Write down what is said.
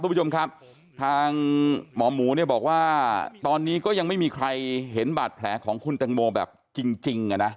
คุณผู้ชมครับทางหมอหมูเนี่ยบอกว่าตอนนี้ก็ยังไม่มีใครเห็นบาดแผลของคุณตังโมแบบจริงอ่ะนะ